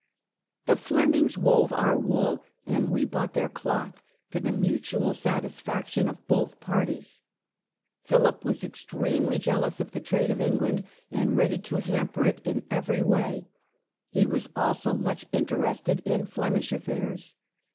The Flemings wove our wool and we bought their cloth, to the mutual satisfaction of both parties. Philip was extremely jealous of the trade of England, and ready to hamper it in every way ; he was also much interested in Flemish affairs.